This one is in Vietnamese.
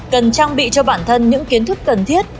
cần trang bị cho bản thân những kiến thức cần thiết